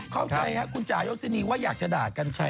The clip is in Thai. เข้าใจฮะคุณจ่ายกษิณีว่าอยากจะด่ากันชัย